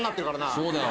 そうだよ。